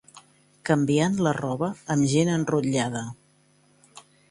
Canviant la roba amb gent enrotllada.